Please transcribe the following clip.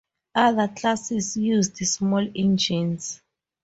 Other classes used small engines.